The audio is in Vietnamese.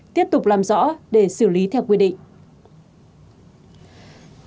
tiếp tục làm rõ để xử lý theo quy định